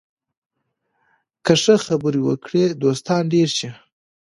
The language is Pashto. که ښه خبرې وکړې، دوستان ډېر شي